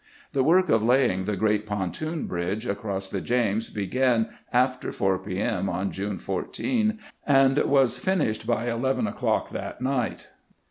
The work of laying the great pontoon bridge across the James began after 4 p. M. on June 14, and was fin ,, ished by eleven o'clock that night.